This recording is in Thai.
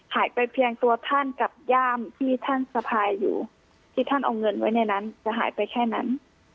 หายไปเพียงตัวท่านกับย่ามที่ท่านสะพายอยู่ที่ท่านเอาเงินไว้ในนั้นจะหายไปแค่นั้น